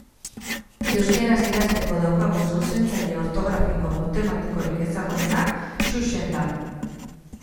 Euskaraz idazteko daukagun zuzentzaile ortografiko automatikorik ezagunena Xuxen da.